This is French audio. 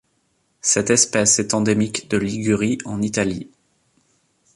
Cette espèce est endémique de Ligurie en Italie.